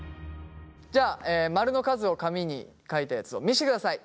じゃあマルの数を紙に書いたやつを見せてください。